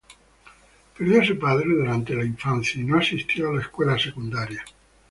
Perdió a su padre durante la infancia y no asistió a la escuela secundaria.